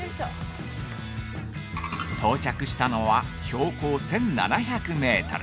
◆到着したのは、標高１７００メートル